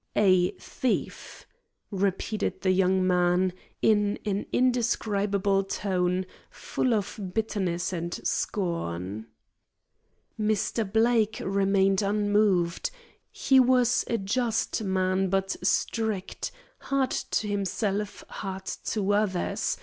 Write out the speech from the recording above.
"A thief!" repeated the young man, in an indescribable tone full of bitterness and scorn. Mr. Blake remained unmoved; he was a just man but strict, hard to himself, hard to others.